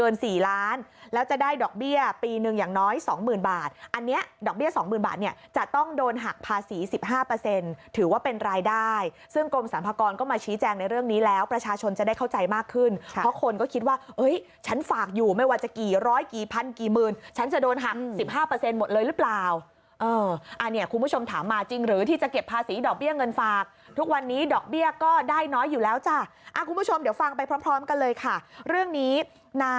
นั้นแล้วจะได้ดอกเบี้ยปีหนึ่งอย่างน้อยสองหมื่นบาทอันเนี้ยดอกเบี้ยสองหมื่นบาทเนี่ยจะต้องโดนหักภาษีสิบห้าเปอร์เซ็นต์ถือว่าเป็นรายได้ซึ่งกรมสรรพากรก็มาชี้แจงในเรื่องนี้แล้วประชาชนจะได้เข้าใจมากขึ้นเพราะคนก็คิดว่าเอ้ยฉันฝากอยู่ไม่ว่าจะกี่ร้อยกี่พันกี่หมื่นฉันจะโดนหักสิบห้าเปอร์